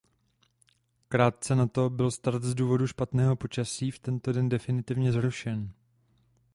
Krátce na to byl start z důvodu špatného počasí v tento den definitivně zrušen.